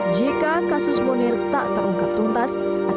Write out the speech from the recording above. jika kasus munir tak terungkap tuntas